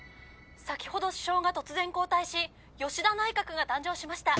先ほど首相が突然交代し吉田内閣が誕生しました。